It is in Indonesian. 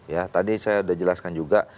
ya tadi saya sudah jelaskan juga